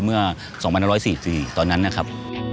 เมื่อ๒๑๔๔ตอนนั้นนะครับ